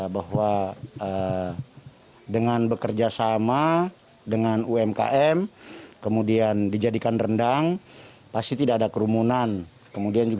bahwa dengan bekerja sama dengan umkm kemudian dijadikan rendang pasti tidak ada kerumunan